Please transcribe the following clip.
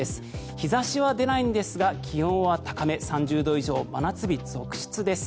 日差しは出ないんですが気温は高め３０度以上、真夏日続出です。